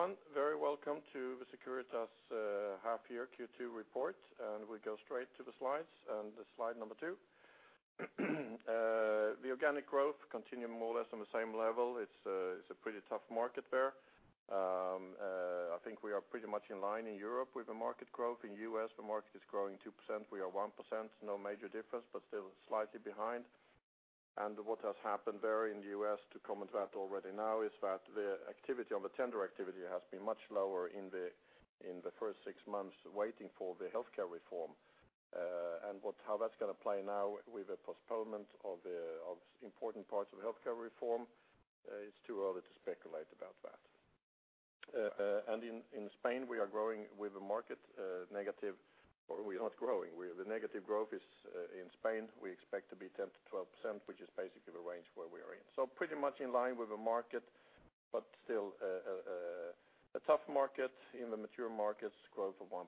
Morning everyone. Very welcome to the Securitas half-year Q2 report and we'll go straight to the slides and the slide number 2. The organic growth continuing more or less on the same level. It's it's a pretty tough market there. I think we are pretty much in line in Europe with the market growth. In the U.S. the market is growing 2%. We are 1%. No major difference but still slightly behind. And what has happened there in the U.S. to comment that already now is that the activity on the tender activity has been much lower in the in the first six months waiting for the healthcare reform. And what how that's gonna play now with the postponement of the of important parts of the healthcare reform it's too early to speculate about that. In Spain, we are growing with a market negative, or we are not growing. The negative growth is in Spain. We expect to be 10%-12%, which is basically the range where we are in. So pretty much in line with the market, but still a tough market. In the mature markets, growth of 1%.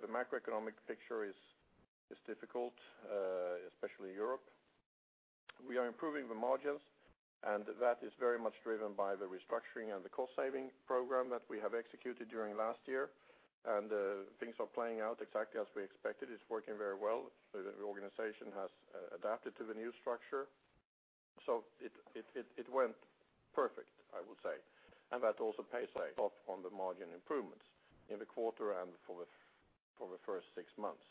The macroeconomic picture is difficult, especially in Europe. We are improving the margins, and that is very much driven by the restructuring and the cost-saving program that we have executed during last year. Things are playing out exactly as we expected. It's working very well. The organization has adapted to the new structure. So it went perfect, I would say. That also pays off on the margin improvements in the quarter and for the first six months.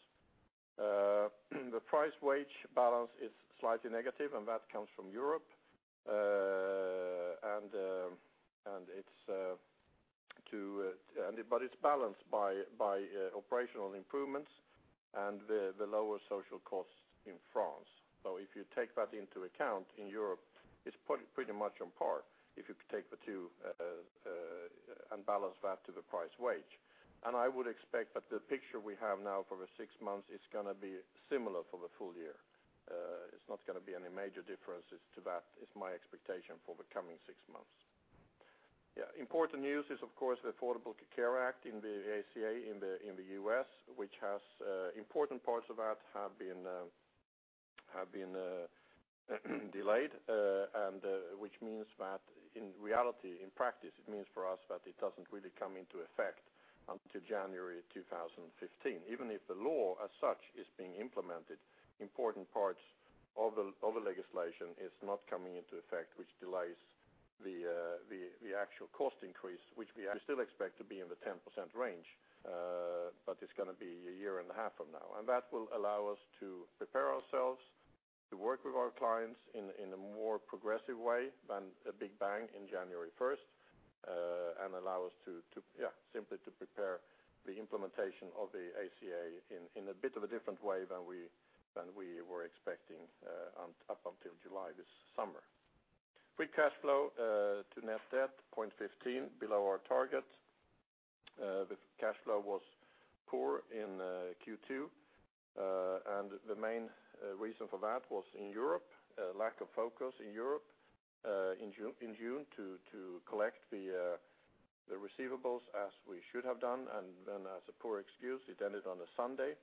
The price/wage balance is slightly negative, and that comes from Europe. And it's, but it's balanced by operational improvements and the lower social costs in France. So if you take that into account in Europe, it's pretty much on par if you take the two and balance that to the price/wage. And I would expect that the picture we have now for the six months is gonna be similar for the full year. It's not gonna be any major differences to that; that is my expectation for the coming six months. Yeah, important news is of course the Affordable Care Act, the ACA, in the U.S., which has important parts of that have been delayed and which means that in reality in practice it means for us that it doesn't really come into effect until January 2015. Even if the law as such is being implemented, important parts of the legislation is not coming into effect, which delays the actual cost increase which we still expect to be in the 10% range. But it's gonna be a year and a half from now. That will allow us to prepare ourselves to work with our clients in a more progressive way than the Big Bang in January first. and allow us to yeah simply to prepare the implementation of the ACA in a bit of a different way than we were expecting up until July this summer. Free cash flow to net debt 0.15 below our target. The cash flow was poor in Q2, and the main reason for that was in Europe. Lack of focus in Europe in June to collect the receivables as we should have done. And then as a poor excuse it ended on a Sunday,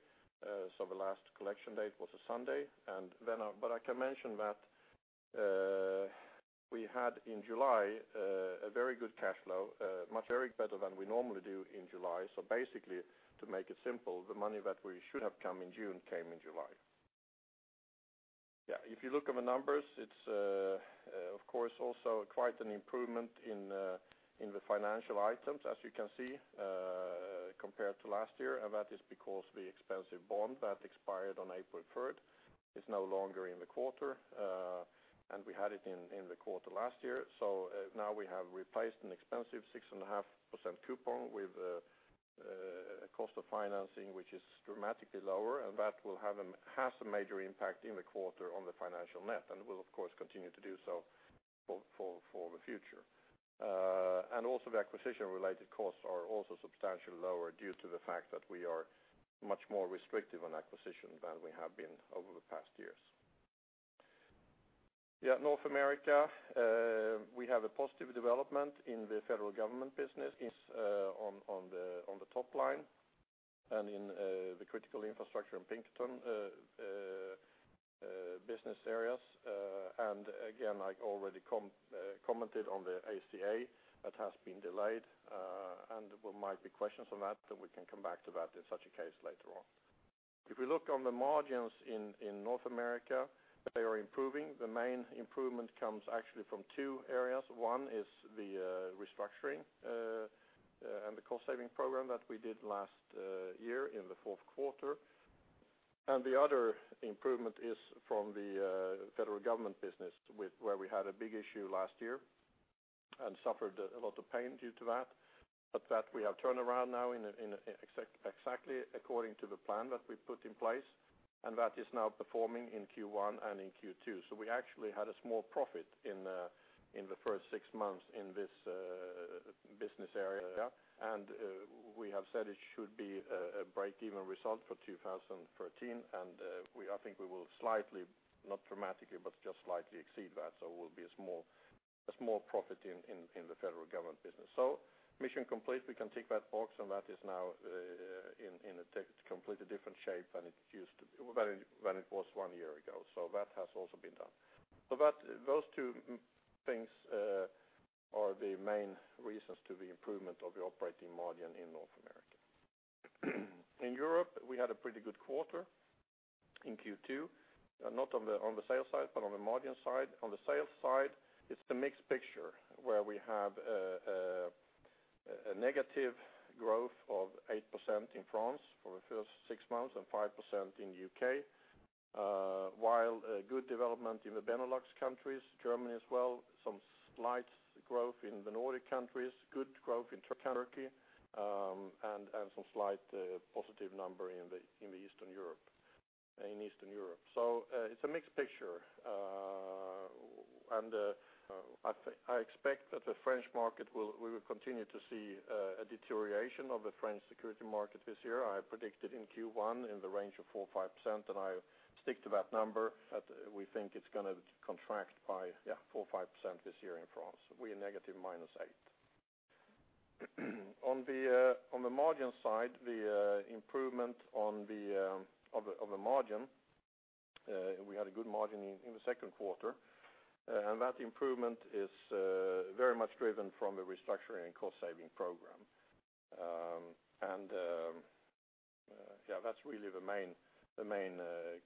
so the last collection date was a Sunday. And then I can mention that we had in July a very good cash flow much better than we normally do in July. So basically to make it simple the money that we should have come in June came in July. Yeah, if you look at the numbers, it's of course also quite an improvement in the financial items as you can see compared to last year. And that is because the expensive bond that expired on April third is no longer in the quarter, and we had it in the quarter last year. So now we have replaced an expensive 6.5% coupon with a cost of financing which is dramatically lower. And that has a major impact in the quarter on the financial net and will of course continue to do so for the future. And also the acquisition-related costs are also substantially lower due to the fact that we are much more restrictive on acquisition than we have been over the past years. Yeah, North America we have a positive development in the federal government business. It is on the top line. And in the critical infrastructure in Pinkerton business areas. And again I already commented on the ACA that has been delayed. And there might be questions on that that we can come back to that in such a case later on. If we look on the margins in North America they are improving. The main improvement comes actually from two areas. One is the restructuring and the cost-saving program that we did last year in the fourth quarter. And the other improvement is from the federal government business where we had a big issue last year and suffered a lot of pain due to that. But that we have turned around now in exactly according to the plan that we put in place. And that is now performing in Q1 and in Q2. So we actually had a small profit in the first six months in this business area. Yeah. And we have said it should be a break-even result for 2013. And I think we will slightly, not dramatically but just slightly, exceed that. So it will be a small profit in the federal government business. So mission complete. We can tick that box and that is now in a totally completely different shape than it used to be when it was one year ago. So that has also been done. So those two things are the main reasons for the improvement of the operating margin in North America. In Europe we had a pretty good quarter in Q2, not on the sales side but on the margin side. On the sales side it's a mixed picture where we have a negative growth of 8% in France for the first six months and 5% in the U.K., while good development in the Benelux countries. Germany as well. Some slight growth in the Nordic countries. Good growth in Turkey and some slight positive number in the Eastern Europe. So it's a mixed picture, and I expect that the French market will continue to see a deterioration of the French security market this year. I predicted in Q1 in the range of 4%-5% and I stick to that number. That we think it's gonna contract by yeah 4%-5% this year in France. We are negative -8%. On the margin side, the improvement of the margin. We had a good margin in the second quarter. And that improvement is very much driven from the restructuring and cost-saving program. And yeah, that's really the main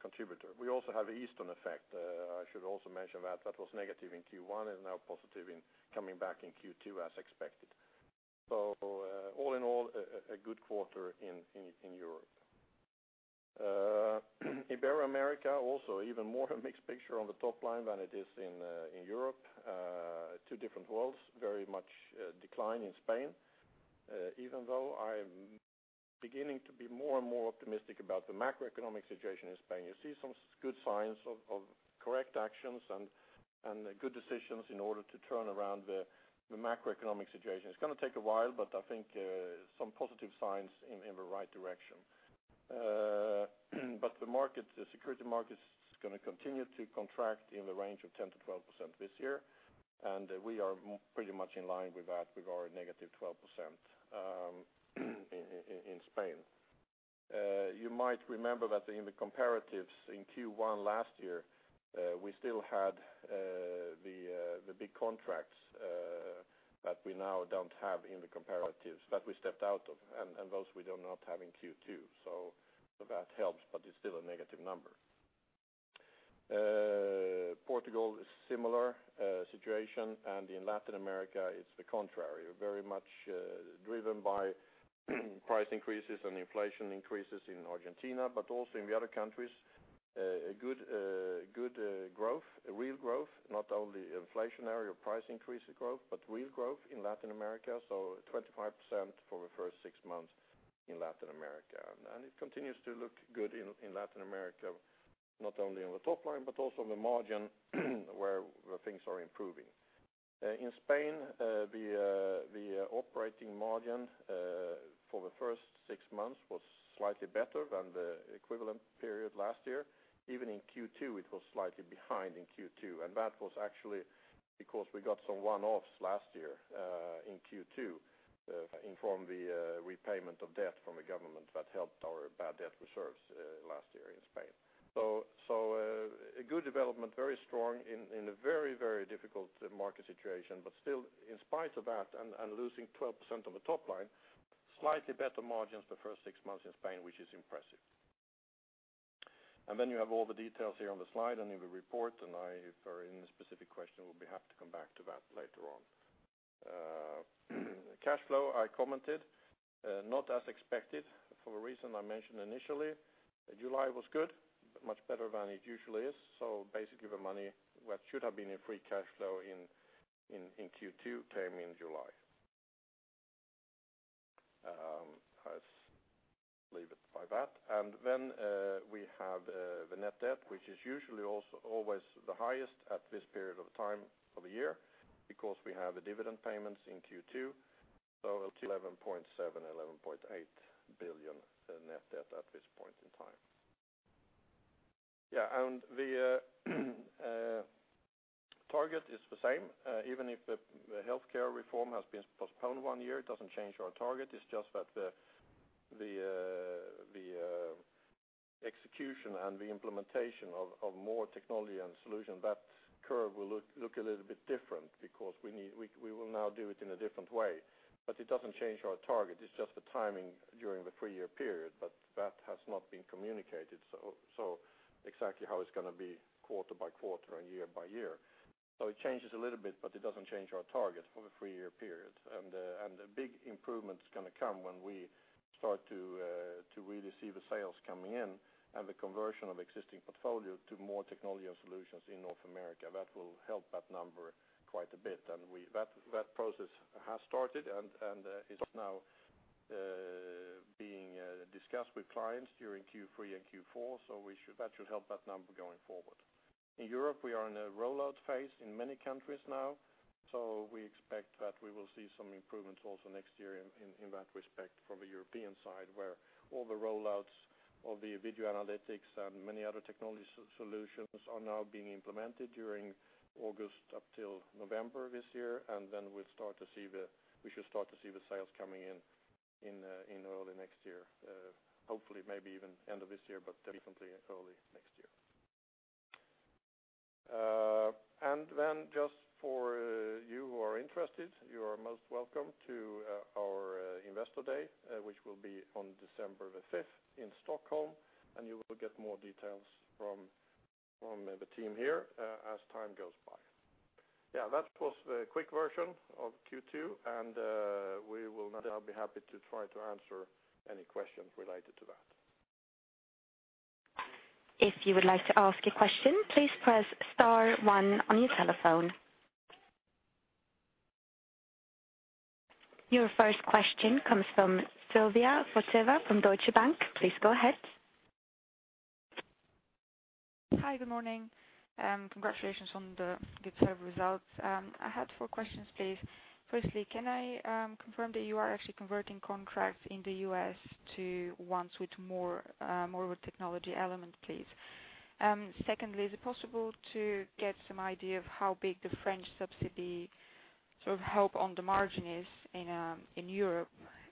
contributor. We also have the Easter effect. I should also mention that that was negative in Q1 and now positive, coming back in Q2 as expected. So all in all, a good quarter in Europe. In North America, also even more a mixed picture on the top line than it is in Europe. Two different worlds. Very much decline in Spain, even though I'm beginning to be more and more optimistic about the macroeconomic situation in Spain. You see some good signs of correct actions and good decisions in order to turn around the macroeconomic situation. It's gonna take a while, but I think some positive signs in the right direction. But the market, the security market's gonna continue to contract in the range of 10%-12% this year. And we are pretty much in line with that with our -12% in Spain. You might remember that in the comparatives in Q1 last year we still had the big contracts that we now don't have in the comparatives that we stepped out of. And those we do not have in Q2. So that helps, but it's still a negative number. Portugal is similar situation. And in Latin America it's the contrary. Very much driven by our price increases and inflation increases in Argentina. But also in the other countries a good growth, a real growth. Not only inflationary or price increase growth but real growth in Latin America. So 25% for the first six months in Latin America. And it continues to look good in Latin America not only on the top line but also on the margin where the things are improving. In Spain the operating margin for the first six months was slightly better than the equivalent period last year. Even in Q2 it was slightly behind in Q2. And that was actually because we got some one-offs last year in Q2 from the repayment of debt from the government that helped our bad debt reserves last year in Spain. So, a good development, very strong in a very difficult market situation. But still, in spite of that and losing 12% on the top line, slightly better margins the first six months in Spain, which is impressive. And then you have all the details here on the slide and in the report. And if there are any specific questions, we'll be happy to come back to that later on. Cash flow, I commented, not as expected for the reason I mentioned initially. July was good, but much better than it usually is. So basically the money that should have been in free cash flow in Q2 came in July. I'll leave it at that. And then we have the net debt which is usually also always the highest at this period of time of the year because we have the dividend payments in Q2. So 11.7 billion-11.8 billion net debt at this point in time. Yeah and the margin target is the same. Even if the the healthcare reform has been postponed one year it doesn't change our target. It's just that the the the execution and the implementation of of more technology and solution that curve will look look a little bit different because we need we we will now do it in a different way. But it doesn't change our target. It's just the timing during the three-year period. But that has not been communicated so so exactly how it's gonna be quarter-by-quarter and year-by-year. So it changes a little bit but it doesn't change our target for the three-year period. And a big improvement's gonna come when we start to really see the sales coming in and the conversion of existing portfolio to more technology and solutions in North America. That will help that number quite a bit. And that process has started and it's now being discussed with clients during Q3 and Q4. So that should help that number going forward. In Europe we are in a rollout phase in many countries now. So we expect that we will see some improvements also next year in that respect from the European side where all the rollouts of the video analytics and many other technology solutions are now being implemented during August up till November this year. And then we'll start to see. We should start to see the sales coming in in early next year, hopefully maybe even end of this year but definitely early next year. And then just for you who are interested, you are most welcome to our investor day which will be on December 5 in Stockholm. And you will get more details from the team here as time goes by. Yeah, that was the quick version of Q2. And now I'll be happy to try to answer any questions related to that. If you would like to ask a question, please press star one on your telephone. Your first question comes from Sylvia Barker from Deutsche Bank. Please go ahead. Hi, good morning. Congratulations on the good set of results. I had 4 questions please. Firstly, can I confirm that you are actually converting contracts in the US to ones with more of a technology element, please? Secondly, is it possible to get some idea of how big the French subsidy sort of help on the margin is in Europe?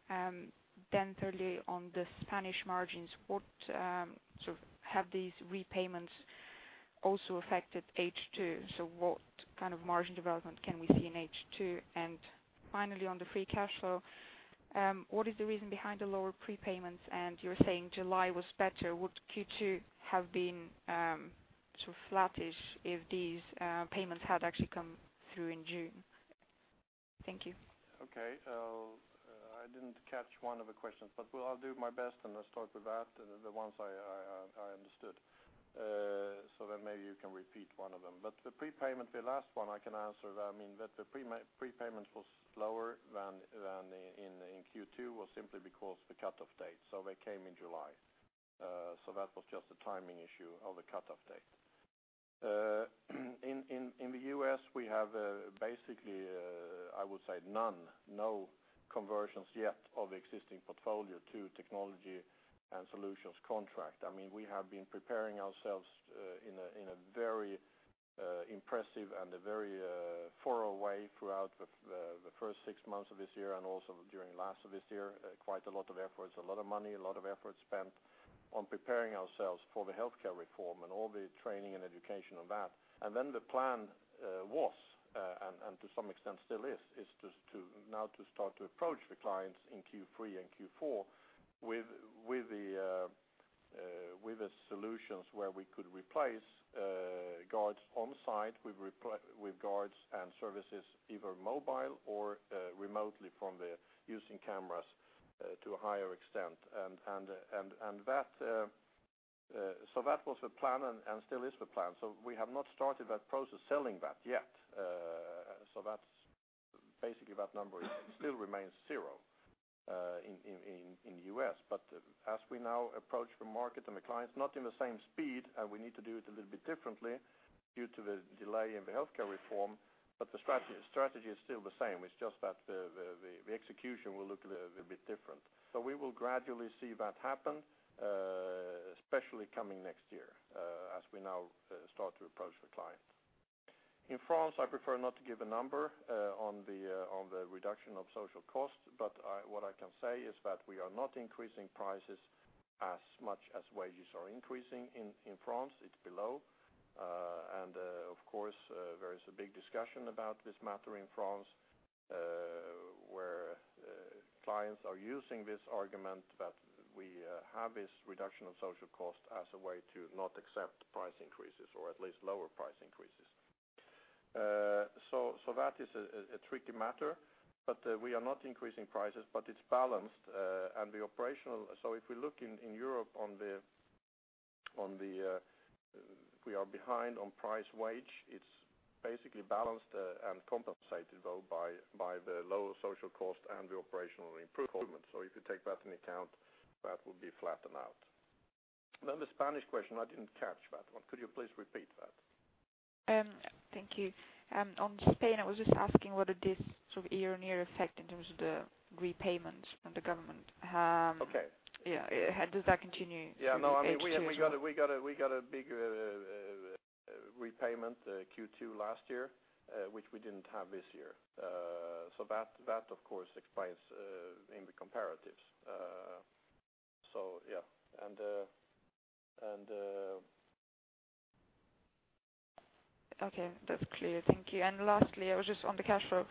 Then, thirdly, on the Spanish margins, what sort of have these repayments also affected H2? So, what kind of margin development can we see in H2? And finally, on the free cash flow, what is the reason behind the lower prepayments? And you're saying July was better. Would Q2 have been sort of flattish if these payments had actually come through in June? Thank you. Okay, I didn't catch one of the questions, but I'll do my best, and I'll start with that and the ones I understood. So then, maybe you can repeat one of them. But the prepayment the last one I can answer that I mean that the prepayments were slower than in Q2 was simply because the cutoff date. So they came in July. So that was just a timing issue of the cutoff date. In the U.S. we have basically I would say no conversions yet of the existing portfolio to technology and solutions contract. I mean we have been preparing ourselves in a very impressive and a very thorough way throughout the first six months of this year and also during last of this year. Quite a lot of efforts a lot of money a lot of effort spent on preparing ourselves for the healthcare reform and all the training and education on that. And then the plan was, and to some extent still is, to now start to approach the clients in Q3 and Q4 with the solutions where we could replace guards on site with guards and services either mobile or remotely from the using cameras to a higher extent. And that was the plan and still is the plan. So we have not started that process selling that yet. So that's basically that number still remains zero in the U.S. But as we now approach the market and the clients not in the same speed and we need to do it a little bit differently due to the delay in the healthcare reform. But the strategy is still the same. It's just that the execution will look a little bit different. So we will gradually see that happen especially coming next year as we now start to approach the client. In France I prefer not to give a number on the reduction of social cost. But what I can say is that we are not increasing prices as much as wages are increasing in France. It's below. And of course there is a big discussion about this matter in France where clients are using this argument that we have this reduction of social cost as a way to not accept price increases or at least lower price increases. So that is a tricky matter. But we are not increasing prices but it's balanced and the operational so if we look in Europe on the we are behind on price wage. It's basically balanced and compensated though by the lower social cost and the operational improvement. So if you take that in account that will be flattened out. Then the Spanish question I didn't catch that one. Could you please repeat that? Thank you. On Spain I was just asking what did this sort of year-on-year effect in terms of the repayments from the government? Okay yeah it does that continue in the H2? Yeah no I mean we got a bigger repayment Q2 last year which we didn't have this year. So that of course explains in the comparatives. So yeah. Okay that's clear. Thank you. And lastly, I was just on the cash flow.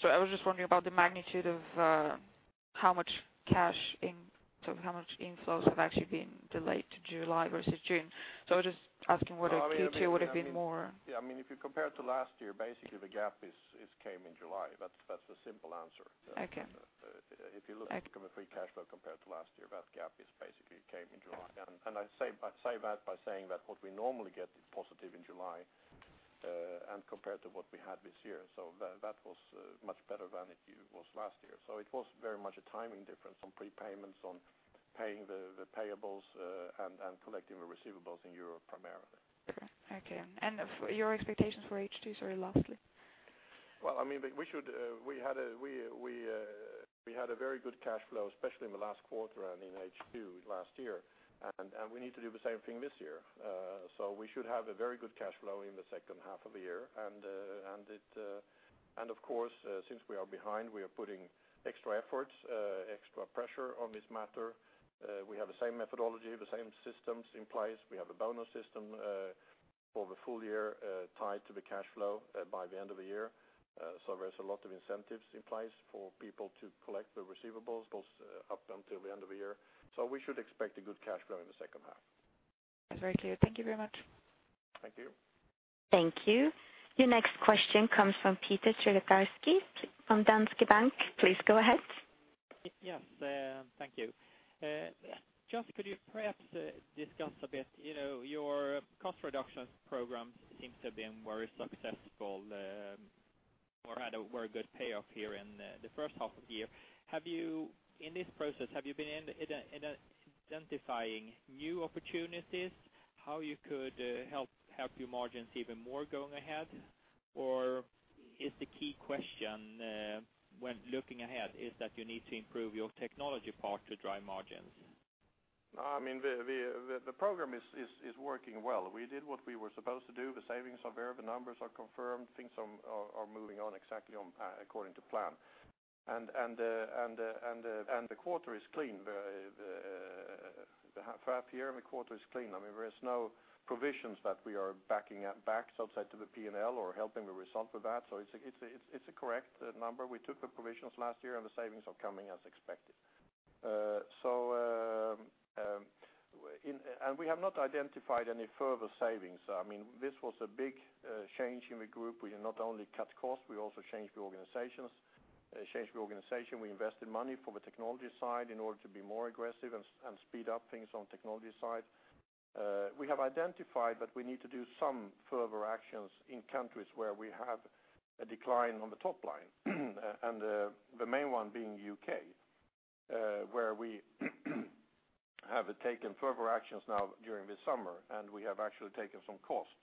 So I was just wondering about the magnitude of how much cash in sort of how much inflows have actually been delayed to July versus June. So I was just asking whether Q2 would have been more? Yeah, I mean if you compare to last year basically the gap came in July. That's the simple answer. Okay, if you look at the free cash flow compared to last year that gap basically came in July. And I say that by saying that what we normally get is positive in July and compared to what we had this year. So that was much better than it was last year. So it was very much a timing difference on prepayments on paying the payables and collecting the receivables in Europe primarily. Okay. And for your expectations for H2, sorry, lastly. Well, I mean, we should have had a very good cash flow, especially in the last quarter and in H2 last year. And we need to do the same thing this year. So we should have a very good cash flow in the second half of the year. And, of course, since we are behind, we are putting extra efforts, extra pressure on this matter. We have the same methodology, the same systems in place. We have a bonus system for the full year tied to the cash flow by the end of the year. So there's a lot of incentives in place for people to collect the receivables push up until the end of the year. So we should expect a good cash flow in the second half. That's very clear. Thank you very much. Thank you. Thank you. Your next question comes from Peter Czort from Danske Bank. Please go ahead. Yes, thank you. Just could you perhaps discuss a bit, you know, your cost reduction programs seem to have been very successful or had a very good payoff here in the first half of the year. Have you in this process been identifying new opportunities how you could help your margins even more going ahead? Or is the key question when looking ahead that you need to improve your technology part to drive margins? No, I mean, the program is working well. We did what we were supposed to do. The savings are there, the numbers are confirmed. Things are moving on exactly on plan according to plan. The quarter is clean. Very, for that period, the quarter is clean. I mean, there's no provisions that we are backing at back so to say to the P&L or helping the result with that. So it's a correct number. We took the provisions last year and the savings are coming as expected. So we have not identified any further savings. I mean, this was a big change in the group. We not only cut costs, we also changed the organization. We invested money for the technology side in order to be more aggressive and speed up things on the technology side. We have identified that we need to do some further actions in countries where we have a decline on the top line. The main one being the U.K., where we have taken further actions now during this summer. We have actually taken some costs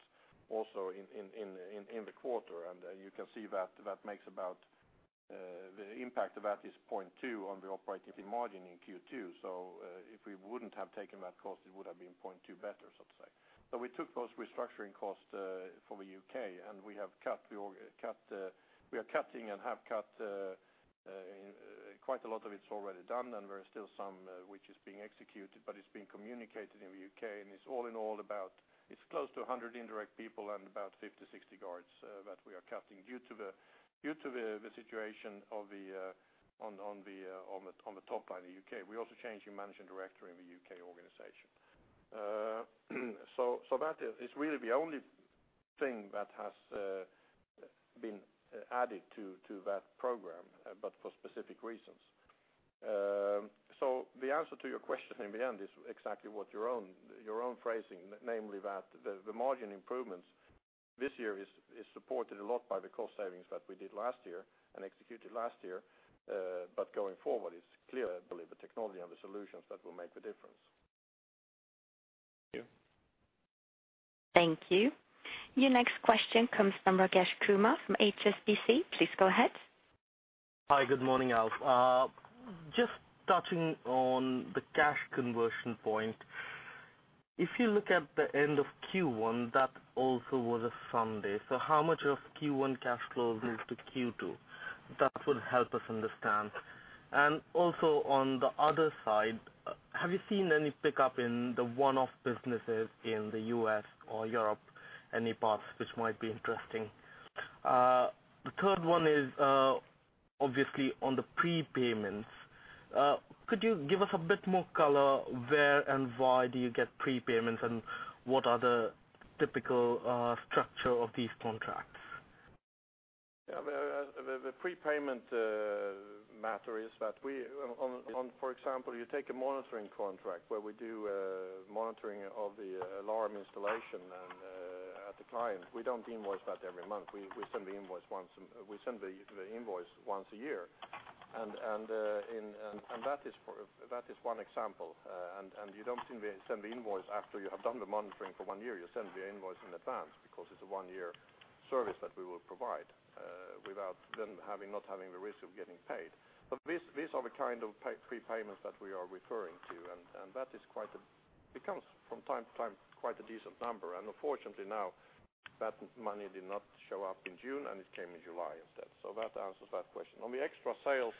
also in the quarter. You can see that the impact of that is 0.2 on the operating margin in Q2. So if we wouldn't have taken that cost, it would have been 0.2 better, so to say. We took those restructuring costs for the U.K., and we are cutting and have cut quite a lot; it's already done. There's still some which is being executed, but it's being communicated in the U.K. It's all in all about close to 100 indirect people and about 50-60 guards that we are cutting due to the situation on the top line in the U.K.. We're also changing managing director in the U.K. organization. So that is really the only thing that has been added to that program but for specific reasons. So the answer to your question in the end is exactly what your own phrasing namely that the margin improvements this year is supported a lot by the cost savings that we did last year and executed last year. But going forward it's clear that. Believe the technology and the solutions that will make the difference. Thank you. Thank you. Your next question comes from Rajesh Kumar from HSBC. Please go ahead. Hi, good morning, Alf. Just touching on the cash conversion point. If you look at the end of Q1, that also was a Sunday. So how much of Q1 cash flow moved to Q2? That would help us understand. And also on the other side, have you seen any pickup in the one-off businesses in the U.S. or Europe, any parts which might be interesting? The third one is obviously on the prepayments. Could you give us a bit more color where and why do you get prepayments and what are the typical structure of these contracts? Yeah, the prepayment matter is that we, on, for example, you take a monitoring contract where we do monitoring of the alarm installation and at the client. We don't invoice that every month. We send the invoice once a year. That is one example. You don't send the invoice after you have done the monitoring for one year. You send the invoice in advance because it's a one-year service that we will provide without having the risk of getting paid. But these are the kind of prepayments that we are referring to. And that becomes from time to time quite a decent number. And unfortunately, that money did not show up in June and it came in July instead. So that answers that question. On the extra sales,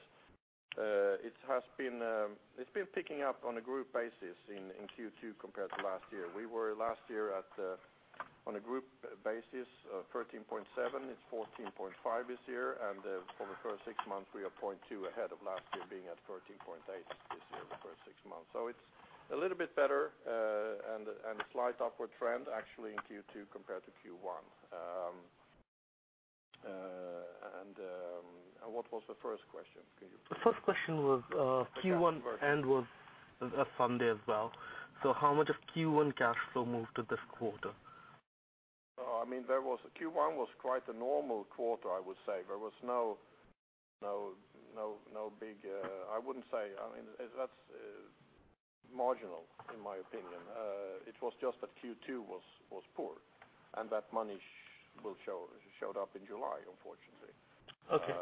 it has been picking up on a group basis in Q2 compared to last year. We were last year at, on a group basis, 13.7. It's 14.5 this year. And for the first 6 months we are 0.2 ahead of last year being at 13.8 this year the first 6 months. So it's a little bit better and a slight upward trend actually in Q2 compared to Q1. And what was the first question? Can you? The first question was Q1 and was a Sunday as well. So how much of Q1 cash flow moved to this quarter? Oh I mean there was Q1 was quite a normal quarter I would say. There was no big I wouldn't say I mean it's that's marginal in my opinion. It was just that Q2 was poor. And that money shortfall showed up in July unfortunately. Okay.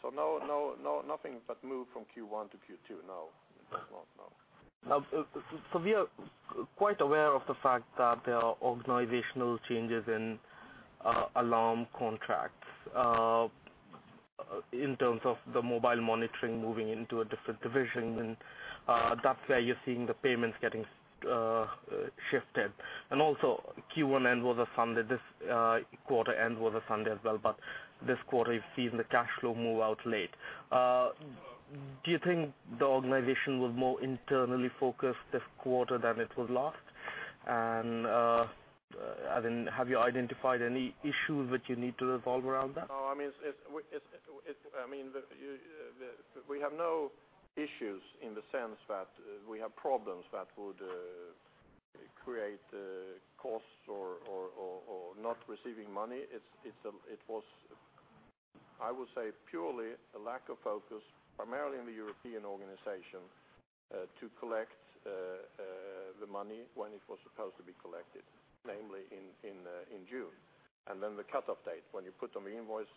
So, no, no, nothing that moved from Q1 to Q2. No. It does not. No. Now, so we are quite aware of the fact that there are organizational changes in alarm contracts, in terms of the mobile monitoring moving into a different division. And that's where you're seeing the payments getting shifted. And also Q1 end was a Sunday; this quarter end was a Sunday as well. But this quarter you've seen the cash flow move out late. Do you think the organization was more internally focused this quarter than it was last? And I mean, have you identified any issues that you need to resolve around that? No, I mean, it's we it's it's I mean the you the we have no issues in the sense that we have problems that would create costs or not receiving money. It was, I would say, purely a lack of focus primarily in the European organization to collect the money when it was supposed to be collected, namely in June. And then the cut-off date when you put on the invoice,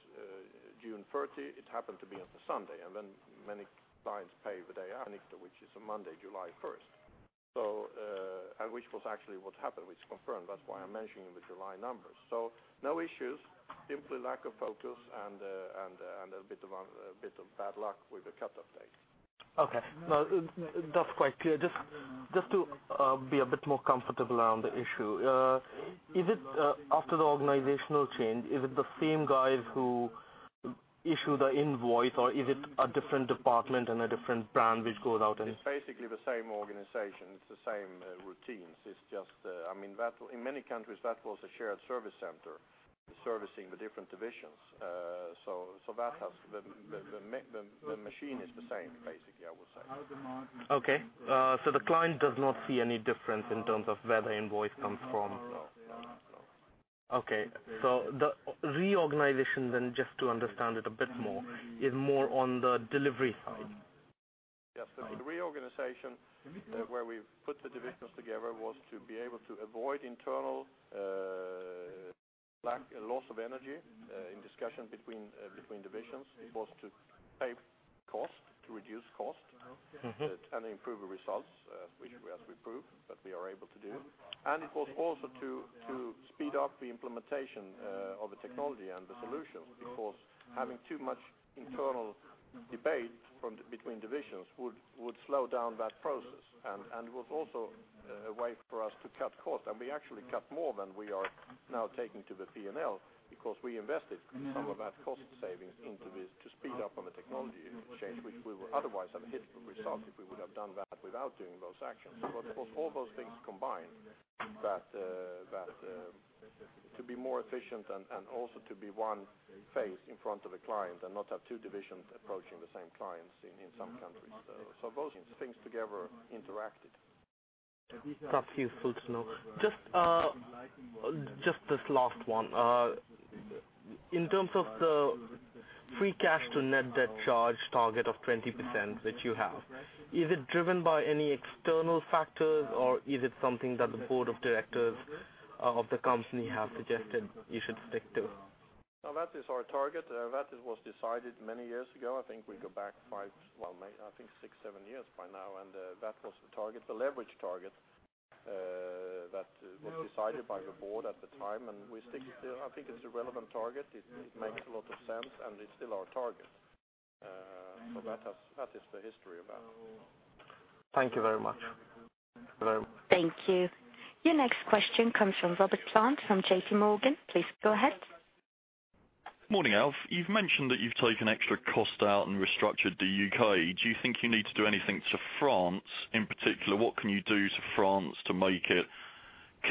June 30, it happened to be on a Sunday. And then many clients pay the day after, which is a Monday, July 1. So, which was actually what happened, which is confirmed. That's why I'm mentioning the July numbers. So no issues. Simply lack of focus and a bit of bad luck with the cut-off date. Okay. No, that's quite clear. Just to be a bit more comfortable around the issue. Is it after the organizational change? Is it the same guys who issue the invoice or is it a different department and a different brand which goes out and? It's basically the same organization. It's the same routines. It's just, I mean, in many countries that was a shared service center servicing the different divisions. So the machine is the same basically, I would say. How's the margin? Okay. So the client does not see any difference in terms of where the invoice comes from? No, no, no, no. Okay. So the reorganization then, just to understand it a bit more, is more on the delivery side? Yes, the reorganization where we've put the divisions together was to be able to avoid internal loss of energy in discussion between divisions. It was to save cost, to reduce cost and improve the results, which, as we proved, that we are able to do. And it was also to speed up the implementation of the technology and the solutions because having too much internal debate between the divisions would slow down that process. And it was also a way for us to cut cost. And we actually cut more than we are now taking to the P&L because we invested some of that cost savings into this to speed up on the technology change, which we would otherwise have hit the result if we would have done that without doing those actions. But it was all those things combined that to be more efficient and also to be one face in front of a client and not have two divisions approaching the same clients in some countries. So those things together interacted. That's useful to know. Just this last one. In terms of the free cash to net debt charge target of 20% which you have, is it driven by any external factors or is it something that the board of directors of the company have suggested you should stick to? No, that is our target. It was decided many years ago. I think we go back 5, well, maybe 6-7 years by now. And that was the target, the leverage target that was decided by the board at the time. And we stick to, I think it's a relevant target. It makes a lot of sense and it's still our target. So that has that is the history of that. Thank you very much. Thank you very much. Thank you. Your next question comes from Robert Plant from JPMorgan. Please go ahead. Morning, Alf. You've mentioned that you've taken extra cost out and restructured the U.K. Do you think you need to do anything to France in particular? What can you do to France to make it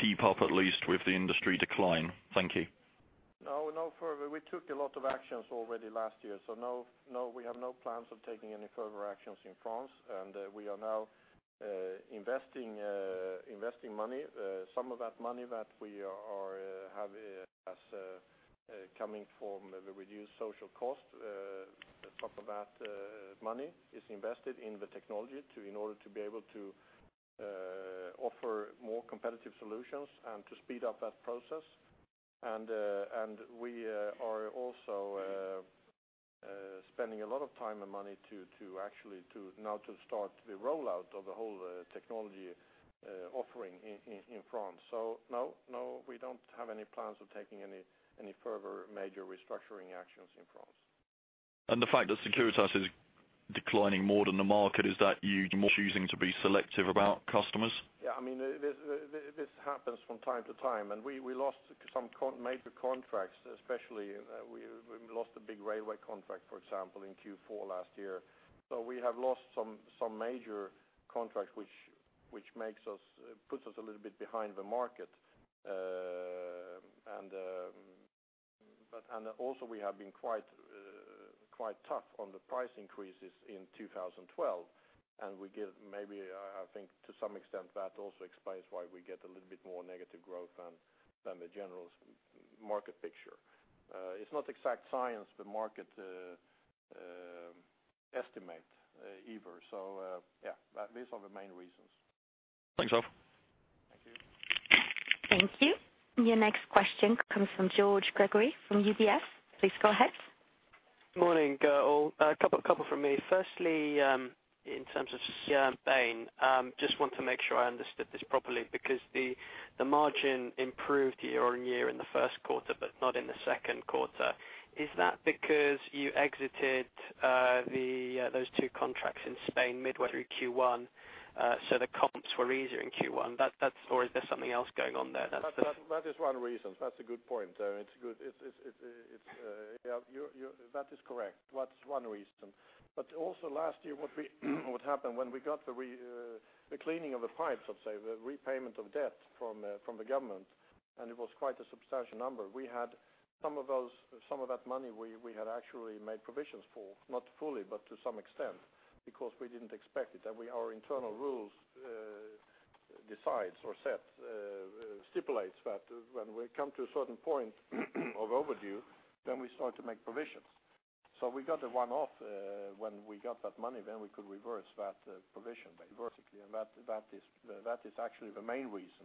keep up at least with the industry decline? Thank you. No, no further. We took a lot of actions already last year. So no, no, we have no plans of taking any further actions in France. And we are now investing money, some of that money that we have as coming from the reduced social cost. Some of that money is invested in the technology to in order to be able to offer more competitive solutions and to speed up that process. And we are also spending a lot of time and money to actually now start the rollout of the whole technology offering in France. So no, we don't have any plans of taking any further major restructuring actions in France. And the fact that Securitas is declining more than the market is that you're choosing to be selective about customers? Yeah, I mean it is this happens from time to time. And we lost some major contracts, especially in, we lost a big railway contract, for example, in Q4 last year. So we have lost some major contracts, which puts us a little bit behind the market. But also, we have been quite tough on the price increases in 2012. And we get, maybe I think, to some extent that also explains why we get a little bit more negative growth than the general market picture. It's not exact science, the market estimate either. So yeah, these are the main reasons. Thanks, Alf. Thank you. Thank you. Your next question comes from George Gregory from UBS. Please go ahead. Morning, all. A couple from me. Firstly, in terms of. Brian just wants to make sure I understood this properly because the margin improved year-over-year in the first quarter but not in the second quarter. Is that because you exited those two contracts in Spain midway through Q1 so the comps were easier in Q1? That's, or is there something else going on there? That is one reason. That's a good point. It's a good point. Yeah, you're that is correct. That's one reason. But also last year what happened when we got the cleaning of the pipes, let's say, the repayment of debt from the government and it was quite a substantial number. We had some of that money we had actually made provisions for not fully but to some extent because we didn't expect it. Our internal rules decide or set stipulates that when we come to a certain point months of overdue then we start to make provisions. So we got the one-off when we got that money then we could reverse that provision basically. And that is actually the main reason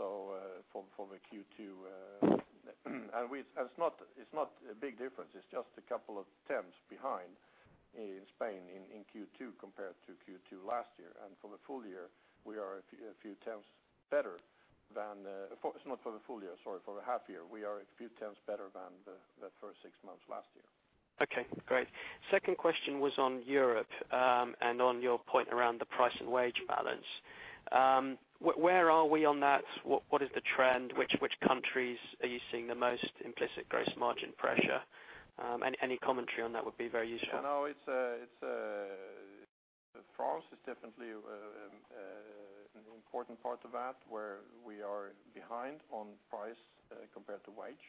so for the Q2, and then it's not a big difference. It's just a couple of tenths behind in Spain in Q2 compared to Q2 last year. And for the full year we are a few tenths better than it; it's not for the full year, sorry, for a half year. We are a few tenths better than the first six months last year. Okay. Great. Second question was on Europe and on your point around the price and wage balance. Where are we on that? What is the trend? Which countries are you seeing the most implicit gross margin pressure? Any commentary on that would be very useful. Yeah, no, it's France is definitely an important part of that where we are behind on price compared to wage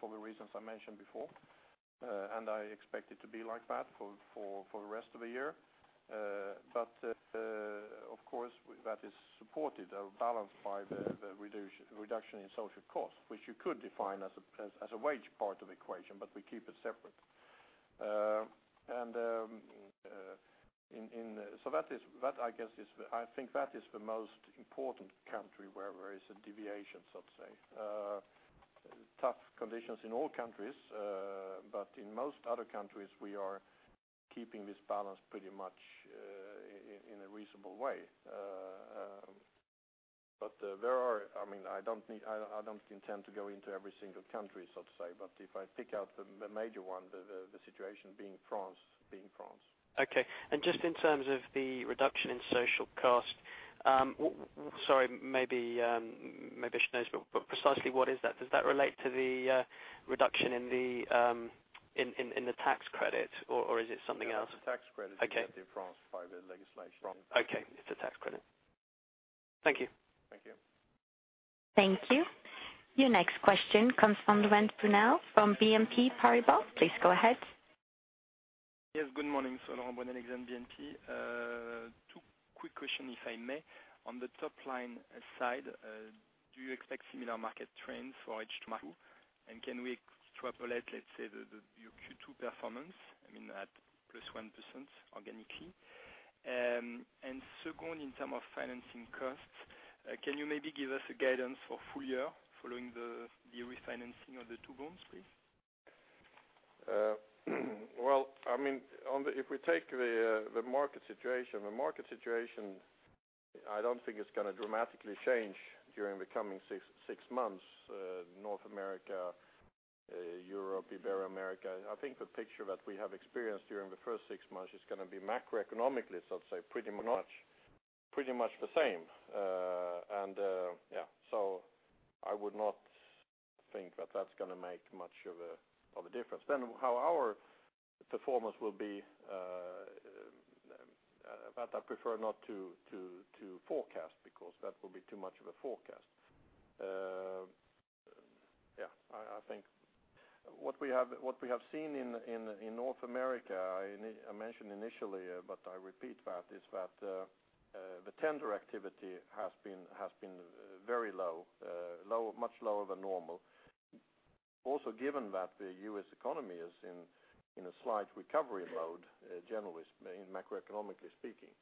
for the reasons I mentioned before. I expect it to be like that for the rest of the year. But of course that is supported or balanced by the reduction in social cost which you could define as a wage part of the equation but we keep it separate. And in so that is, I guess, the I think that is the most important country where there is a deviation so to say. Tough conditions in all countries but in most other countries we are keeping this balance pretty much in a reasonable way. But there are I mean I don't intend to go into every single country so to say. But if I pick out the major one the situation being France being France. Okay. And just in terms of the reduction in social cost sorry maybe I should know but precisely what is that? Does that relate to the reduction in the tax credit or is it something else? It's the tax credit that's set in France by the legislation. Okay. It's the tax credit. Thank you. Thank you. Thank you. Your next question comes from Laurent Brunelle from BNP Paribas. Please go ahead. Yes good morning. So Laurent Brunelle at BNP. Two quick questions if I may. On the top line side, do you expect similar market trends for H2? And can we extrapolate, let's say, the, the, your Q2 performance—I mean at +1% organically? And second, in terms of financing costs, can you maybe give us a guidance for full year following the, the refinancing of the two bonds, please? Well, I mean, on the—if we take the, the market situation, the market situation—I don't think it's gonna dramatically change during the coming six, six months. North America, Europe, South America. I think the picture that we have experienced during the first six months is gonna be macroeconomically, so to say, pretty much, pretty much the same. And yeah, so I would not think that that's gonna make much of a, of a difference. Then how our performance will be, that I prefer not to forecast because that will be too much of a forecast. Yeah, I think what we have seen in North America I mentioned initially but I repeat that is that the tender activity has been very low, much lower than normal. But also given that the U.S. economy is in a slight recovery mode generally speaking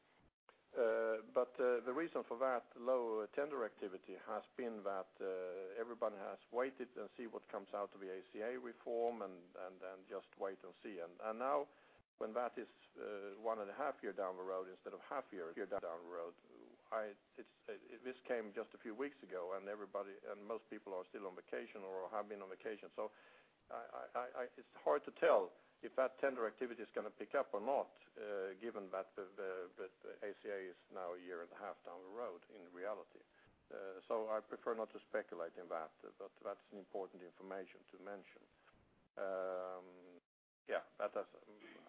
macroeconomically. But the reason for that low tender activity has been that everybody has waited and see what comes out of the ACA reform and just wait and see. And now when that is one and a half year down the road instead of half year down the road, it's it this came just a few weeks ago and everybody and most people are still on vacation or have been on vacation. So it's hard to tell if that tender activity's gonna pick up or not given that the ACA is now a year and a half down the road in reality. So I prefer not to speculate in that. But that's an important information to mention. Yeah, that does.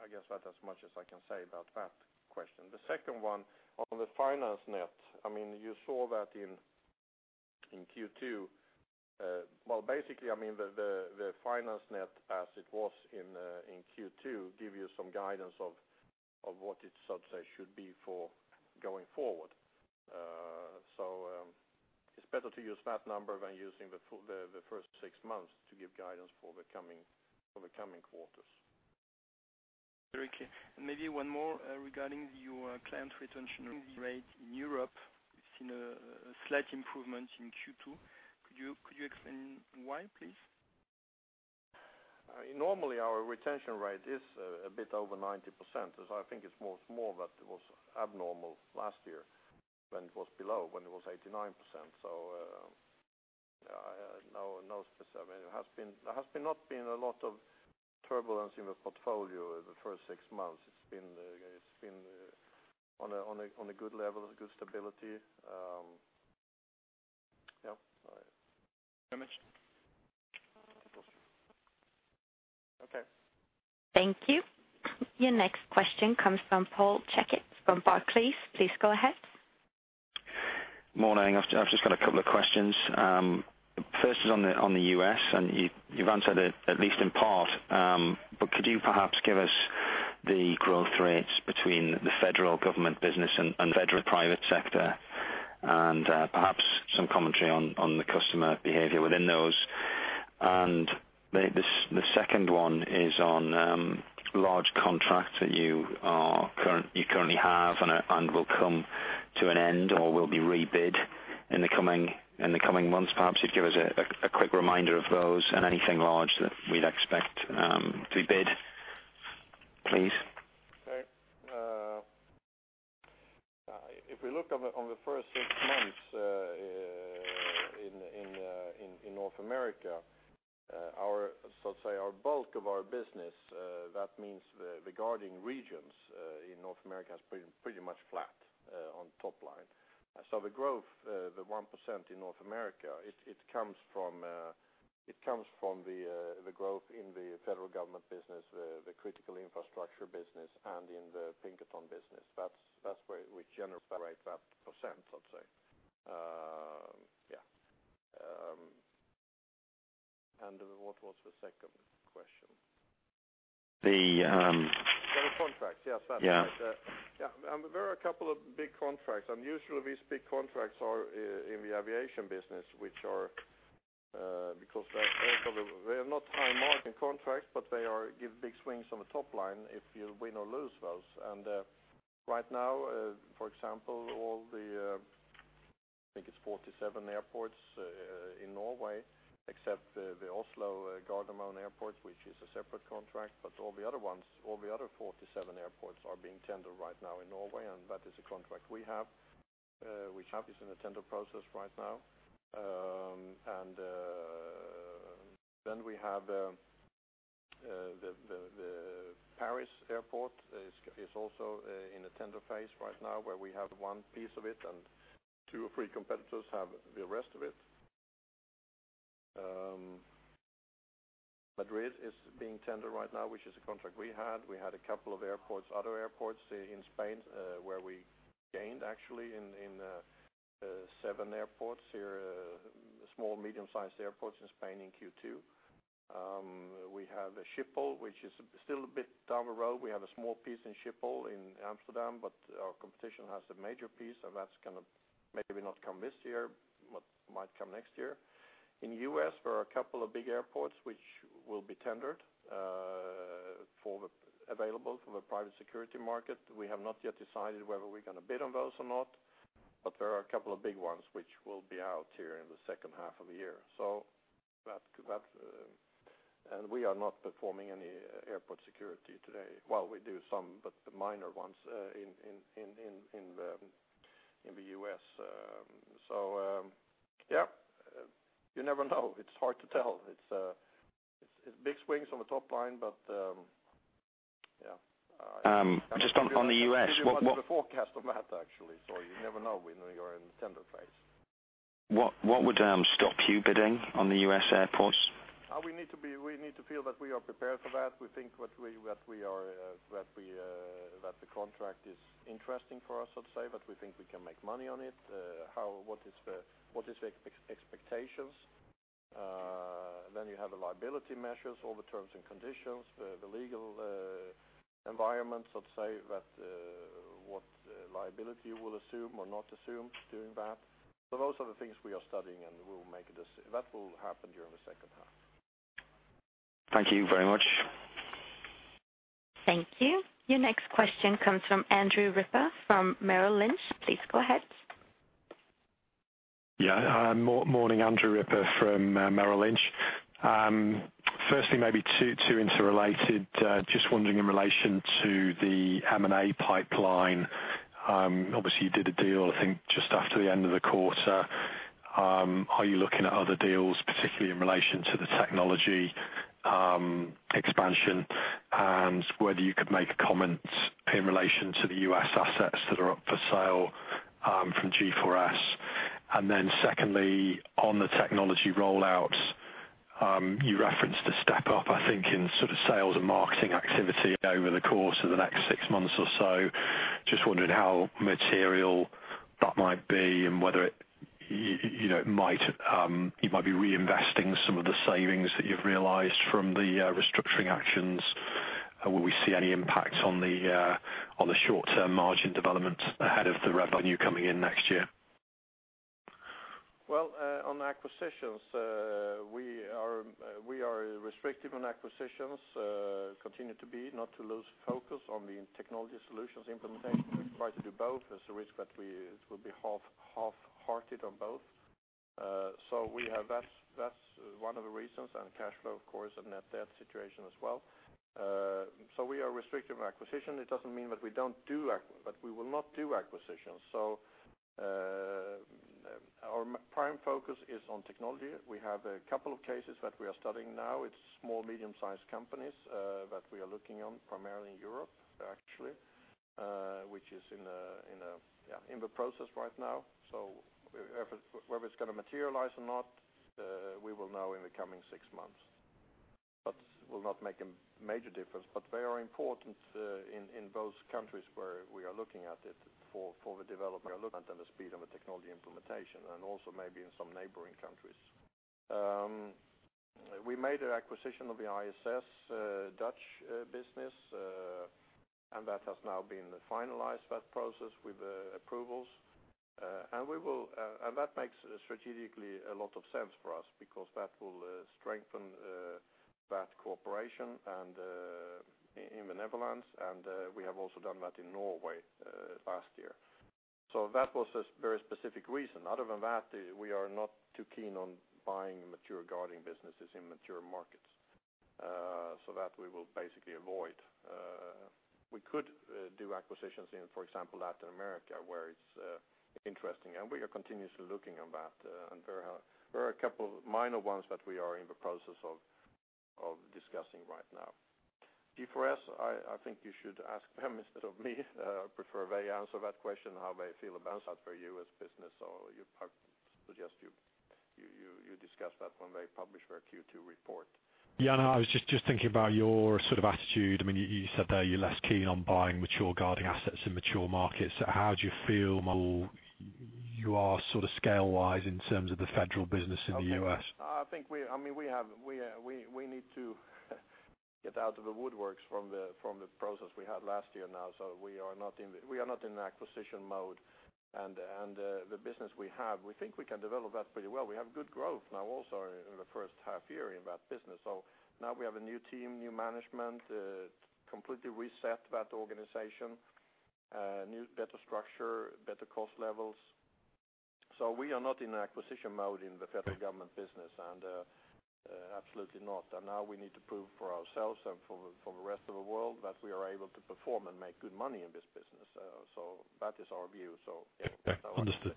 I guess that's as much as I can say about that question. The second one on the finance net, I mean you saw that in Q2. Well, basically, I mean the finance net as it was in Q2 gives you some guidance of what it, so to say, should be going forward. So it's better to use that number than using the full first six months to give guidance for the coming quarters. Great. And maybe one more regarding your client retention rate in Europe. We've seen a slight improvement in Q2. Could you explain why please? Normally our retention rate is a bit over 90% as I think it's more small that it was abnormal last year when it was below when it was 89%. So, I mean it has been. There has not been a lot of turbulence in the portfolio the first 6 months. It's been on a good level of good stability. Thank you very much. Of course. Okay. Thank you. Your next question comes from Paul Checketts from Barclays. Please go ahead. Morning. I've just got a couple of questions. The first is on the U.S. and you've answered it at least in part. But could you perhaps give us the growth rates between the federal government business and the federal private sector and perhaps some commentary on the customer behavior within those? The second one is on large contracts that you currently have and will come to an end or will be rebid in the coming months. Perhaps you'd give us a quick reminder of those and anything large that we'd expect to be bid, please. Okay. If we look on the first six months in North America, our so to say bulk of our business, that means the guarding regions in North America, has pretty much flat on top line. So the growth, the 1% in North America, it comes from the growth in the federal government business, the critical infrastructure business, and in the Pinkerton business. That's where we generally get that percent, so to say. Yeah. And what was the second question? The Federal contracts. Yes, that's right. Yeah. Yeah, there are a couple of big contracts. And usually these big contracts are in the aviation business which are because they're sort of not high margin contracts but they give big swings on the top line if you win or lose those. And right now, for example, all the, I think it's 47 airports in Norway except the Oslo Gardermoen airports which is a separate contract. But all the other ones, all the other 47 airports are being tendered right now in Norway and that is a contract we have which is in the tender process right now. And then we have the Paris airport is also in the tender phase right now where we have one piece of it and two or three competitors have the rest of it. Madrid is being tendered right now, which is a contract we had. We had a couple of airports, other airports in Spain, where we gained, actually, in seven airports here, small, medium-sized airports in Spain in Q2. We have a Schiphol, which is still a bit down the road. We have a small piece in Schiphol in Amsterdam, but our competition has a major piece, and that's gonna maybe not come this year but might come next year. In the U.S., there are a couple of big airports which will be tendered, available for the private security market. We have not yet decided whether we're gonna bid on those or not. But there are a couple of big ones which will be out here in the second half of the year. So that, and we are not performing any airport security today. Well, we do some but the minor ones in the U.S. So yeah, you never know. It's hard to tell. It's big swings on the top line but yeah, I think just on the U.S. what. We're giving you the forecast on that actually. So you never know when we are in the tender phase. What would stop you bidding on the U.S. airports? We need to feel that we are prepared for that. We think that we are that the contract is interesting for us so to say that we think we can make money on it. How what is the what is the expectations? Then you have the liability measures, all the terms and conditions, the legal environment, so to say, that what liability you will assume or not assume doing that. So those are the things we are studying, and we'll make a decision that will happen during the second half. Thank you very much. Thank you. Your next question comes from Andrew Ripper from Merrill Lynch. Please go ahead. Yeah, morning, Andrew Ripper from Merrill Lynch. Firstly, maybe two interrelated, just wondering in relation to the M&A pipeline. Obviously you did a deal I think just after the end of the quarter. Are you looking at other deals, particularly in relation to the technology expansion, and whether you could make comments in relation to the U.S. assets that are up for sale from G4S? And then secondly on the technology rollouts you referenced a step up I think in sort of sales and marketing activity over the course of the next six months or so. Just wondering how material that might be and whether, you know, it might, you might be reinvesting some of the savings that you've realized from the restructuring actions. Will we see any impact on the short-term margin development ahead of the revenue coming in next year? Well, on acquisitions, we are restrictive on acquisitions, continue to be, not to lose focus on the technology solutions implementation. We try to do both, as a risk that we, it will be half-hearted on both. So we have, that's one of the reasons, and cash flow of course and net debt situation as well. So we are restrictive on acquisition. It doesn't mean that we don't do acquisitions, but we will not do acquisitions. So our prime focus is on technology. We have a couple of cases that we are studying now. It's small medium-sized companies that we are looking on primarily in Europe actually, which is yeah in the process right now. So whether it's gonna materialize or not, we will know in the coming six months. But will not make a major difference. But they are important in those countries where we are looking at it for the development. And the speed on the technology implementation and also maybe in some neighboring countries. We made an acquisition of the ISS Dutch business, and that has now been finalized, that process with approvals. And that makes strategically a lot of sense for us because that will strengthen that corporation and in the Netherlands. And we have also done that in Norway last year. So that was a very specific reason. Other than that we are not too keen on buying mature guarding businesses in mature markets, so that we will basically avoid. We could do acquisitions in, for example, Latin America where it's interesting. And we are continuously looking on that and there are a couple of minor ones that we are in the process of discussing right now. G4S, I think you should ask them instead of me. I prefer they answer that question how they feel about that for you as business. So I suggest you discuss that when they publish their Q2 report. Jan, I was just thinking about your sort of attitude. I mean, you said there you're less keen on buying mature guarding assets in mature markets. So how do you feel about your sort of scale-wise in terms of the federal business in the U.S.? I think we—I mean, we have—we need to get out of the woodworks from the process we had last year now. So we are not in the acquisition mode. And the business we have we think we can develop that pretty well. We have good growth now also in the first half year in that business. So now we have a new team, new management, completely reset that organization, new better structure, better cost levels. So we are not in acquisition mode in the federal government business and absolutely not. And now we need to prove for ourselves and for the rest of the world that we are able to perform and make good money in this business. So that is our view. So yeah that's our. Understood.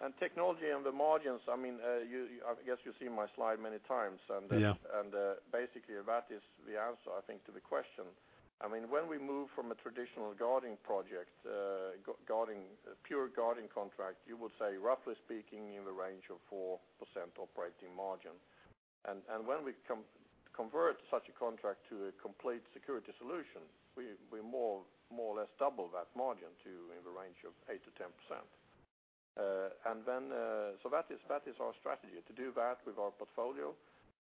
And technology and the margins I mean you I guess you've seen my slide many times. And yeah. And basically that is the answer I think to the question. I mean when we move from a traditional guarding project guarding pure guarding contract you would say roughly speaking in the range of 4% operating margin. And when we convert such a contract to a complete security solution we more or less double that margin to in the range of 8%-10%. That is our strategy to do that with our portfolio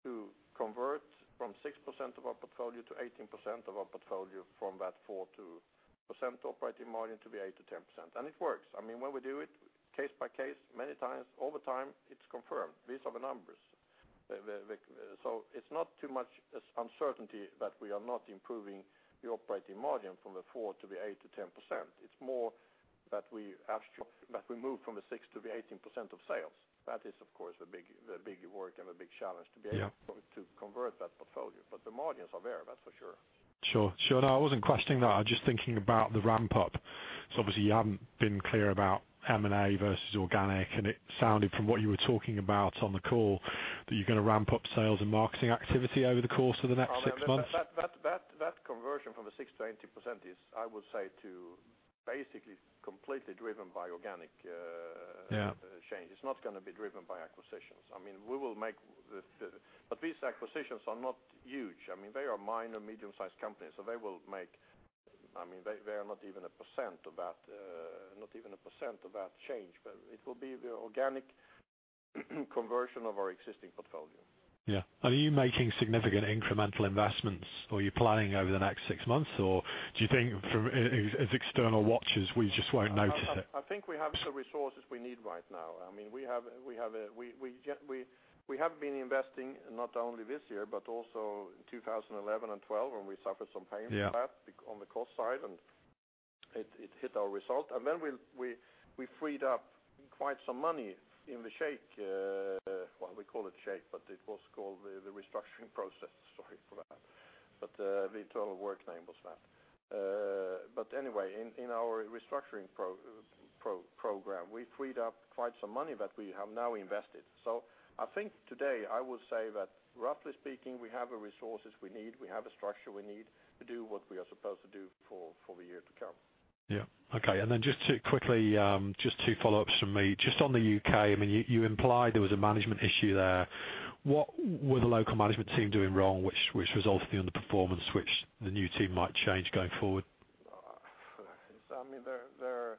to convert from 6% of our portfolio to 18% of our portfolio from that 4 to % operating margin to be 8%-10%. And it works. I mean when we do it case by case many times over time it's confirmed based on the numbers. So it's not too much uncertainty that we are not improving the operating margin from the 4% to be 8%-10%. It's more that we. That we move from the 6 to be 18% of sales. That is of course the big work and the big challenge to be able. Yeah. To convert that portfolio. But the margins are there that's for sure. Sure. Sure. No I wasn't questioning that. I was just thinking about the ramp-up. So obviously you haven't been clear about M&A versus organic and it sounded from what you were talking about on the call that you're gonna ramp up sales and marketing activity over the course of the next six months. I mean that conversion from the 6%-18% is I would say to basically completely driven by organic. Yeah, change. It's not gonna be driven by acquisitions. I mean we will, but these acquisitions are not huge. I mean they are minor medium-sized companies so they will make. I mean they are not even 1% of that, not even 1% of that change. But it will be the organic conversion of our existing portfolio. Yeah. Are you making significant incremental investments or are you planning over the next six months or do you think from us as external watchers we just won't notice it? I think we have the resources we need right now. I mean we have been investing not only this year but also in 2011 and 2012 when we suffered some pains. Yeah. That was on the cost side and it hit our result. And then we freed up quite some money in the shake-up. Well, we call it shake but it was called the restructuring process. Sorry for that. But the internal work name was that. But anyway in our restructuring program we freed up quite some money that we have now invested. So I think today I would say that roughly speaking we have the resources we need. We have a structure we need to do what we are supposed to do for the year to come. Yeah. Okay. And then just to quickly just two follow-ups from me. Just on the U.K. I mean you implied there was a management issue there. What were the local management team doing wrong which resulted in the performance which the new team might change going forward? It's I mean there are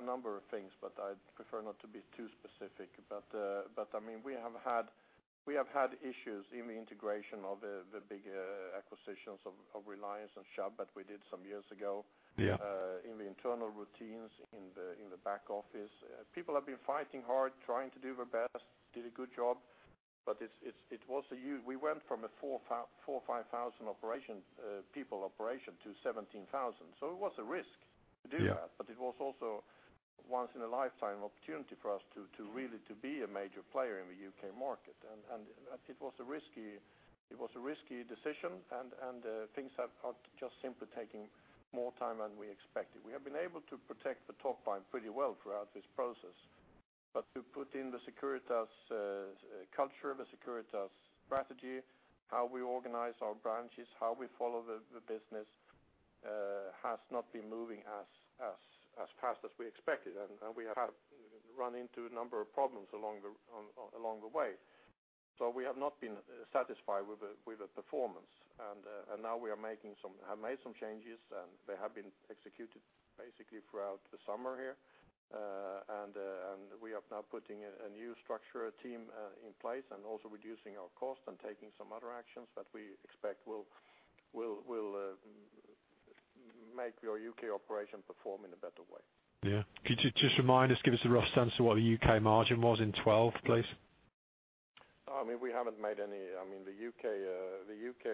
a number of things but I'd prefer not to be too specific. But I mean we have had issues in the integration of the bigger acquisitions of Reliance and Chubb that we did some years ago. Yeah. In the internal routines in the back office. People have been fighting hard trying to do their best, did a good job. But it was a... we went from a 4,000-5,000 people operation to 17,000. So it was a risk to do that. Yeah. But it was also once in a lifetime opportunity for us to really be a major player in the U.K. market. And it was a risky decision, and things are just simply taking more time than we expected. We have been able to protect the top line pretty well throughout this process. But to put in the Securitas's culture of a Securitas strategy, how we organize our branches, how we follow the business has not been moving as fast as we expected. We have had a run into a number of problems along the way. So we have not been satisfied with the performance. And now we have made some changes and they have been executed basically throughout the summer here. And we are now putting a new structure a team in place and also reducing our cost and taking some other actions that we expect will make your U.K. operation perform in a better way. Yeah. Could you just remind us, give us a rough sense of what the U.K. margin was in 2012 please? I mean, the U.K.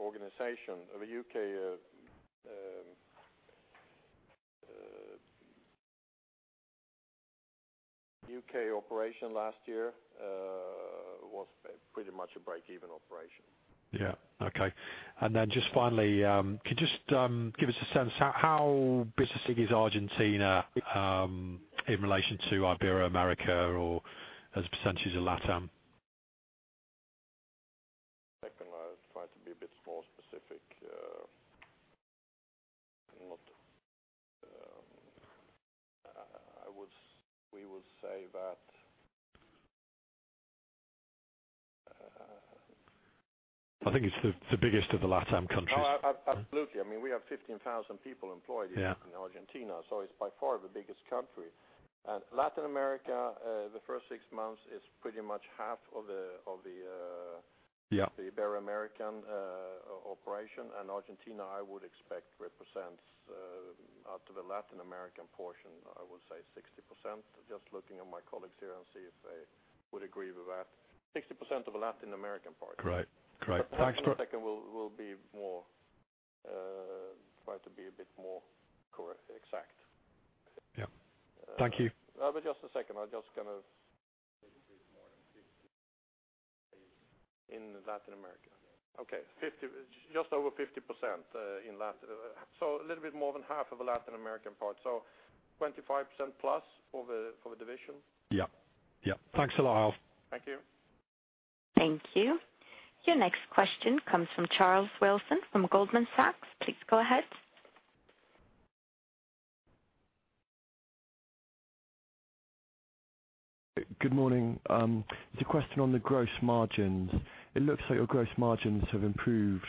organization, the U.K. operation last year was pretty much a break-even operation. Yeah. Okay. Then just finally, could you just give us a sense how business is in Argentina in relation to Ibero-America or as a percentage of LatAm? I'll try to be a bit more specific. I would say that I think it's the biggest of the LatAm countries. Absolutely. I mean we have 15,000 people employed in Argentina. Yeah. So it's by far the biggest country. And Latin America the first six months is pretty much half of the yeah, the Ibero-American operation. And Argentina I would expect represents out of the Latin American portion I would say 60%. Just looking at my colleagues here and see if they would agree with that. 60% of the Latin American part. Correct. Correct. Thanks for. But in a second we'll be more. Try to be a bit more correct, exact. Yeah. Thank you. But just a second. I'll just kind of. 50 more than 60 in Latin America. Okay. 50 just over 50% in Latin, so a little bit more than half of the Latin American part. So 25% plus over for the division. Yeah. Yeah. Thanks a lot, Alf. Thank you. Thank you. Your next question comes from Charles Wilson from Goldman Sachs. Please go ahead. Good morning. There's a question on the gross margins. It looks like your gross margins have improved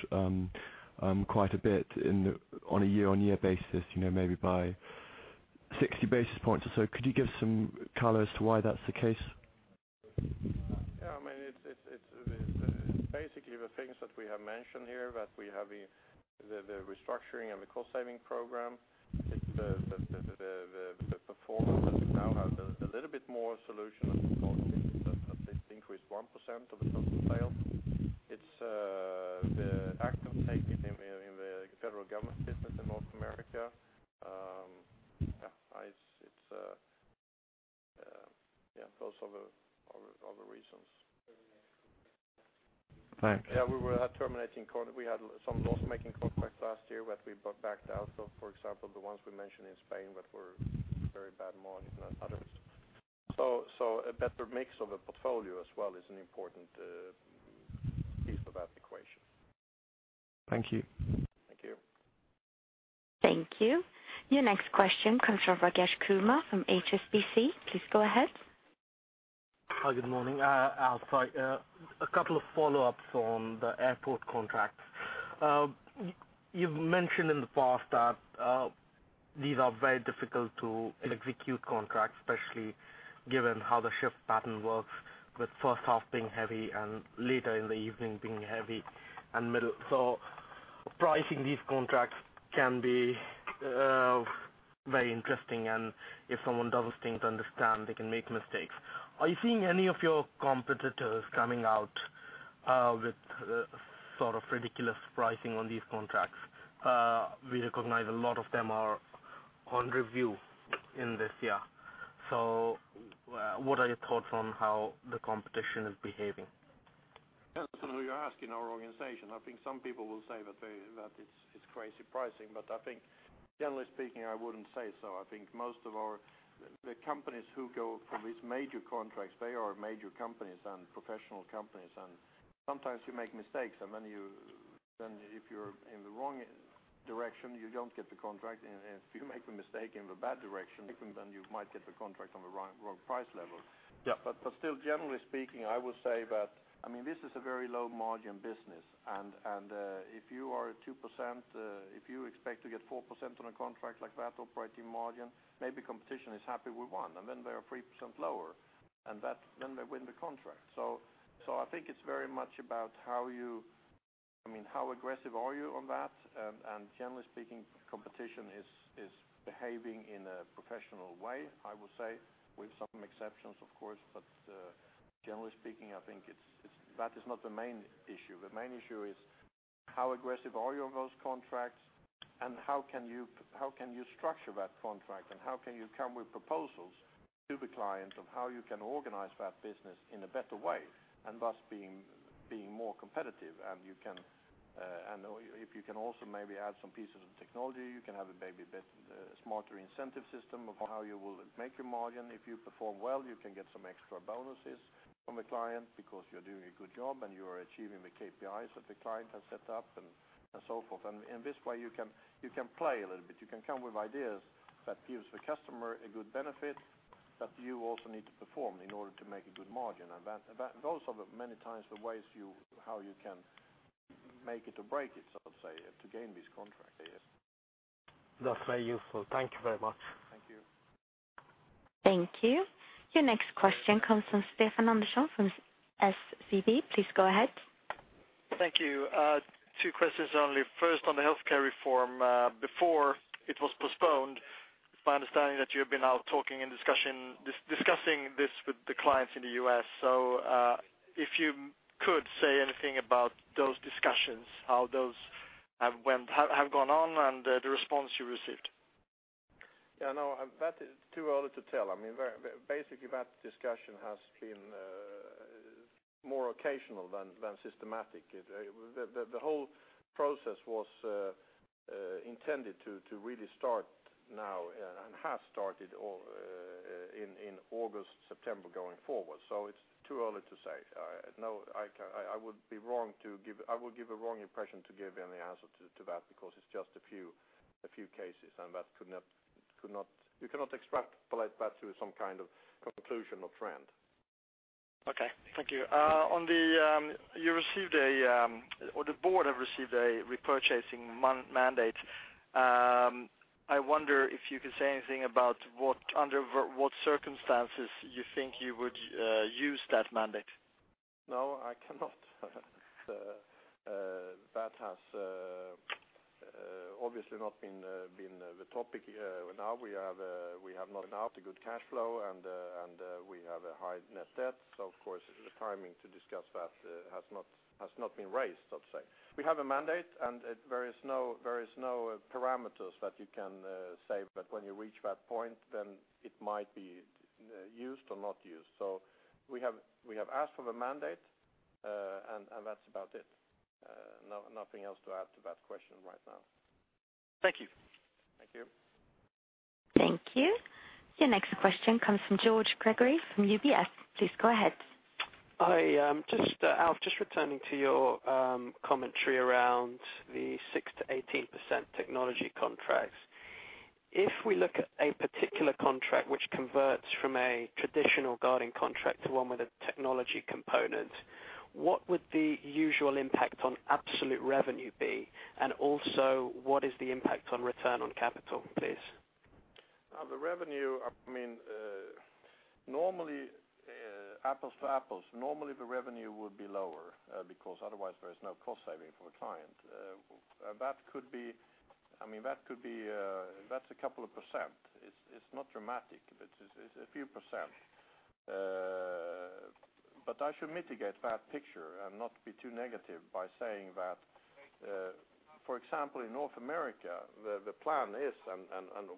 quite a bit in the on a year-on-year basis, you know, maybe by 60 basis points or so. Could you give some color as to why that's the case? Yeah, I mean, it's basically the things that we have mentioned here that we have in the restructuring and the cost saving program. It's the performance that we now have, the little bit more solution that we call it. It's a slightly increased 1% of the total sales. It's the active taking in the federal government business in North America. Yeah, it's both of the reasons. Thanks. Yeah, we were terminating contracts. We had some loss-making contracts last year that we backed out. So, for example, the ones we mentioned in Spain that were very bad margins and others. So a better mix of the portfolio as well is an important piece of that equation. Thank you. Thank you. Thank you. Your next question comes from Rajesh Kumar from HSBC. Please go ahead. Good morning. Alf, sorry. A couple of follow-ups on the airport contracts. You've mentioned in the past that these are very difficult to execute contracts especially given how the shift pattern works with first half being heavy and later in the evening being heavy and middle. So pricing these contracts can be very interesting and if someone doesn't seem to understand they can make mistakes. Are you seeing any of your competitors coming out with the sort of ridiculous pricing on these contracts? We recognize a lot of them are on review in this year. So what are your thoughts on how the competition is behaving? Yeah, that's kinda who you're asking our organization. I think some people will say that very that it's it's crazy pricing. But I think generally speaking I wouldn't say so. I think most of our companies who go for these major contracts, they are major companies and professional companies. Sometimes you make mistakes, and then if you're in the wrong direction, you don't get the contract. And if you make a mistake in the bad direction, then you might get the contract on the wrong price level. Yeah. But still, generally speaking, I would say that. I mean, this is a very low margin business. And if you are at 2%, if you expect to get 4% on a contract like that operating margin, maybe competition is happy with 1%. And then they are 3% lower. And then they win the contract. So I think it's very much about how you, I mean, how aggressive are you on that. And generally speaking, competition is behaving in a professional way, I would say, with some exceptions, of course. But generally speaking, I think it's, that is, not the main issue. The main issue is how aggressive are you on those contracts and how can you structure that contract and how can you come with proposals to the client of how you can organize that business in a better way and thus being more competitive. And you can, or if you can also maybe add some pieces of technology, you can have a bit smarter incentive system of how you will make your margin. If you perform well, you can get some extra bonuses from the client because you're doing a good job and you are achieving the KPIs that the client has set up and so forth. And in this way you can play a little bit. You can come with ideas that gives the customer a good benefit that you also need to perform in order to make a good margin. And that those are the many times the ways you can make it or break it so to say to gain these contracts. Yes. That's very useful. Thank you very much. Thank you. Thank you. Your next question comes from Stefan Andersson from SEB. Please go ahead. Thank you. Two questions only. First on the healthcare reform before it was postponed it's my understanding that you have been out talking and discussing this with the clients in the U.S. So if you could say anything about those discussions how those have gone on and the response you received. Yeah, no, that is too early to tell. I mean, very basically, that discussion has been more occasional than systematic. The whole process was intended to really start now and has started in August September going forward. So it's too early to say. I know I would be wrong to give. I would give a wrong impression to give any answer to that because it's just a few cases and you cannot extrapolate that to some kind of conclusion or trend. Okay. Thank you. On the, you received a or the board have received a repurchasing mandate. I wonder if you could say anything about under what circumstances you think you would use that mandate. No, I cannot. That has obviously not been the topic now we have not now the good cash flow and we have a high net debt. So of course the timing to discuss that has not been raised so to say. We have a mandate and it there is no parameters that you can say that when you reach that point then it might be used or not used. So we have asked for the mandate and that's about it. No nothing else to add to that question right now. Thank you. Thank you. Thank you. Your next question comes from George Gregory from UBS. Please go ahead. Hi, just Alf, just returning to your commentary around the 6%-18% technology contracts. If we look at a particular contract which converts from a traditional guarding contract to one with a technology component, what would the usual impact on absolute revenue be? And also what is the impact on return on capital please? The revenue I mean normally apples to apples normally the revenue would be lower because otherwise there is no cost saving for the client. And that could be I mean that's a couple of percent. It's not dramatic but it's a few percent. But I should mitigate that picture and not be too negative by saying that for example in North America the plan is and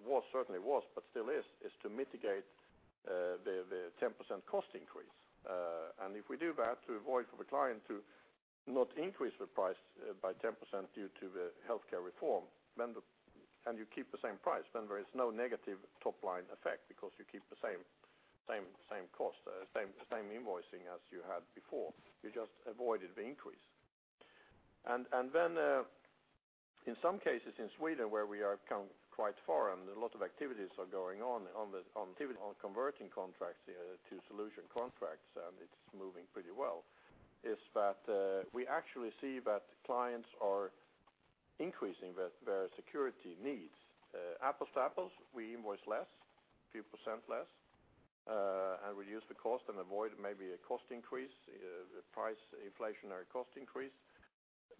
was certainly but still is to mitigate the 10% cost increase. and if we do that to avoid for the client to not increase the price by 10% due to the healthcare reform then, if you keep the same price then there is no negative top line effect because you keep the same same same cost same same invoicing as you had before. You just avoided the increase. And then in some cases in Sweden where we have come quite far and a lot of activities are going on, on the ongoing converting contracts here to solution contracts and it's moving pretty well is that we actually see that clients are increasing their their security needs. Apples to apples we invoice a few percent less and reduce the cost and avoid maybe a cost increase the price inflationary cost increase.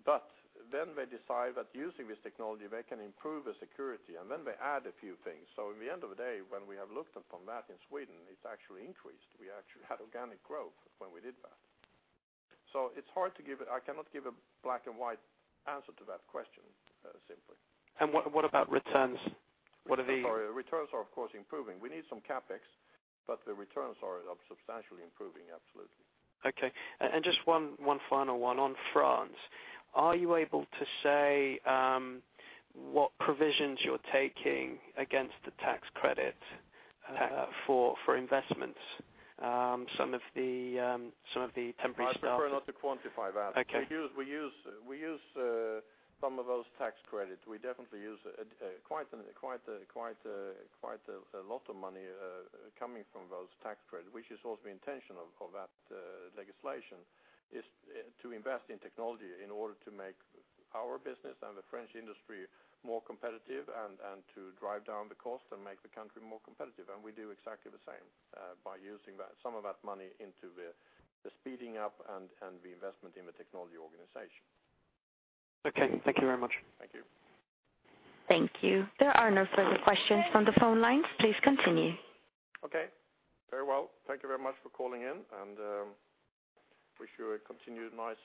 But then they decide that using this technology they can improve the security and then they add a few things. So at the end of the day when we have looked at from that in Sweden it's actually increased. We actually had organic growth when we did that. So it's hard to give. I cannot give a black and white answer to that question simply. And what about returns? What are the. Sorry. Returns are of course improving. We need some CapEx but the returns are substantially improving absolutely. Okay. And just one final one on France. Are you able to say what provisions you're taking against the tax credit for investments? Some of the temporary stuff. I prefer not to quantify that. Okay. We use some of those tax credits. We definitely use quite a lot of money coming from those tax credit which is also the intention of that legislation is to invest in technology in order to make our business and the French industry more competitive and to drive down the cost and make the country more competitive. We do exactly the same by using some of that money into the speeding up and the investment in the technology organization. Okay. Thank you very much. Thank you. Thank you. There are no further questions from the phone lines. Please continue. Okay. Very well. Thank you very much for calling in. And wish you a continued nice.